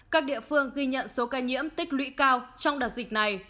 các địa phương ghi nhận số ca nhiễm tích lũy cao trong đợt dịch này